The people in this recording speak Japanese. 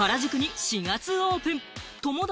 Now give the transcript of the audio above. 原宿に４月オープン。